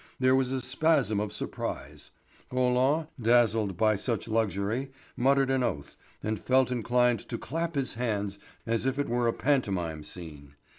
There was a spasm of surprise. Roland, dazzled by such luxury, muttered an oath, and felt inclined to clap his hands as if it were a pantomime scene.